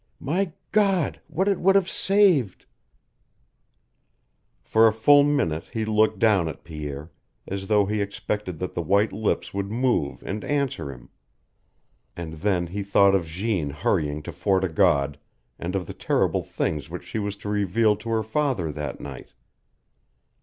My God, what it would have saved " For a full minute he looked down at Pierre, as though he expected that the white lips would move and answer him. And then he thought of Jeanne hurrying to Fort o' God, and of the terrible things which she was to reveal to her father that night.